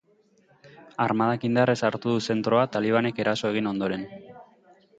Armadak indarrez hartu du zentroa, talibanek eraso egin ondoren.